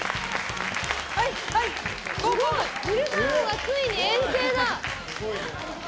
昼太郎がついに遠征だ！